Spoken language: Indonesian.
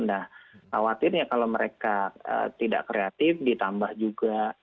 nah khawatirnya kalau mereka tidak kreatif ditambah juga